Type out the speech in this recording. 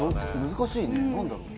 難しいね何だろう？